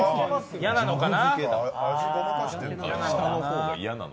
嫌なのかな。